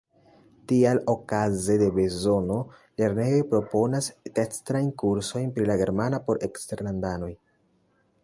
Tial, okaze de bezono, lernejoj proponas ekstrajn kursojn pri la germana por eksterlandanoj.